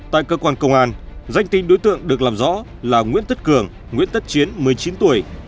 tại cơ quan công an danh tính đối tượng được làm rõ là nguyễn tất cường nguyễn tất chiến một mươi chín tuổi